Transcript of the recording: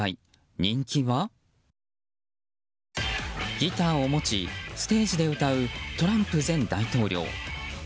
ギターを持ちステージで歌うトランプ前大統領。